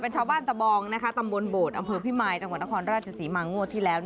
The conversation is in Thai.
ชาวบ้านตะบองตำบลโบดอำเภอพิมายจังหวัดนครราชศรีมางวดที่แล้ว